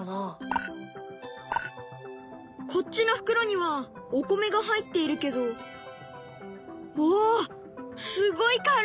こっちの袋にはお米が入っているけどおおすごい軽いよ！